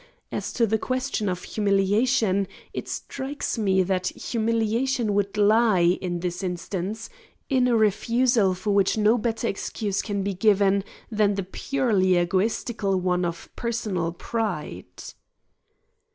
As to the question of humiliation, it strikes me that humiliation would lie, in this instance, in a refusal for which no better excuse can be given than the purely egotistical one of personal pride."